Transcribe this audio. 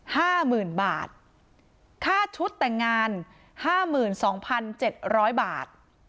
ห้าหมื่นบาทค่าชุดแต่งงานห้าหมื่นสองพันเจ็ดร้อยบาท